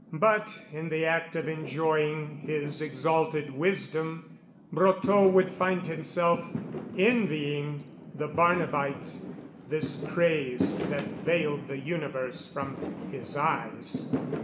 But, in the act of enjoying his exalted wisdom, Brotteaux would find himself envying the Barnabite this craze that veiled the universe from his eyes.